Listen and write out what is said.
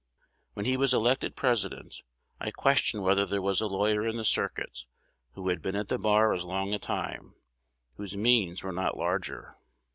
"When he was elected President, I question whether there was a lawyer in the circuit, who had been at the bar as long a time, whose means were not larger.